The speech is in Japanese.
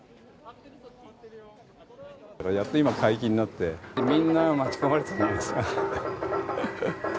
やっと今、解禁になって、みんな待ち焦がれていたんじゃないですか。